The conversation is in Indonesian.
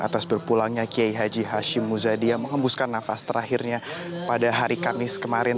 atas berpulangnya kiai haji hashim muzadi yang mengembuskan nafas terakhirnya pada hari kamis kemarin